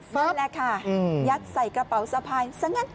นั่นแหละค่ะยัดใส่กระเป๋าสะพายซะงั้น